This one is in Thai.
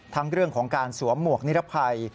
ทั้งเรื่องของการสวมหมวกนิรภัย